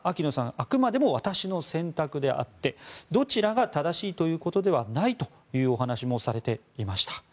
あくまでも私の選択であってどちらが正しいということではないというお話もされていました。